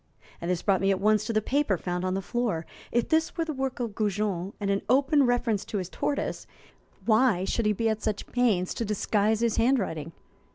This brought me at once to the paper found on the floor. If this were the work of Goujon and an open reference to his tortoise, why should he be at such pains to disguise his handwriting?